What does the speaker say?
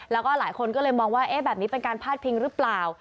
แล้วก็หลายคนก็เลยมองว่าแบบนี้เป็นการพาดพิงหรือเปล่า